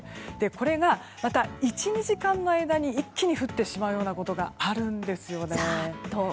これがまた、１２時間の間に一気に降ってしまうことがあるんですよね。